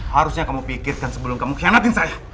harusnya kamu pikirkan sebelum kamu khianatin saya